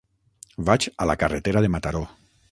Vaig a la carretera de Mataró.